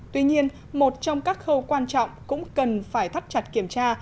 tuy nhiên một trong các khâu quan trọng cũng cần phải thắt chặt kiểm tra